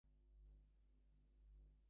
Third was Ayrton Senna with his Lotus.